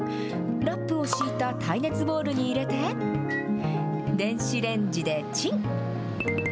ラップを敷いた耐熱ボウルに入れて、電子レンジでチン。